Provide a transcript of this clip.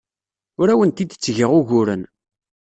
Ur awent-d-ttgeɣ uguren.